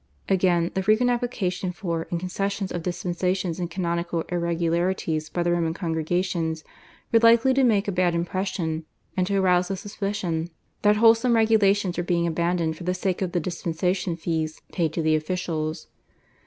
Again, the frequent applications for and concessions of dispensations in canonical irregularities by the Roman congregations were likely to make a bad impression, and to arouse the suspicion that wholesome regulations were being abandoned for the sake of the dispensation fees paid to the officials.